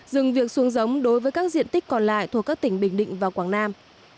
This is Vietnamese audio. dừng việc xuống giống đối với các diện tích còn lại thuộc các tỉnh bình định và quảng nam